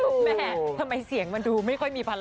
แม่ทำไมเสียงมันดูไม่ค่อยมีภาระ